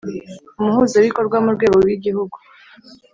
Umuhuzabikorwa mu rwego rw igihugu